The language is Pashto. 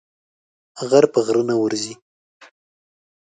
غر په غره نه ورځي.